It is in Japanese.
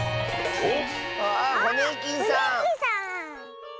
おっ！